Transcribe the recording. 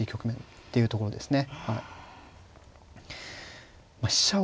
っていうところですね。